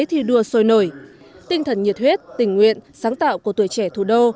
vì thế thì đùa sôi nổi tinh thần nhiệt huyết tình nguyện sáng tạo của tuổi trẻ thủ đô